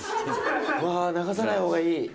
わー、流さないほうがいい。